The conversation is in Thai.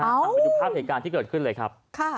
เอาไปดูภาพเหตุการณ์ที่เกิดขึ้นเลยครับ